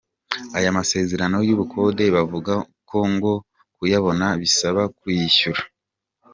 Aya masezerano y’ubukode bavuga ko ngo kuyabona bisaba kuyishyura.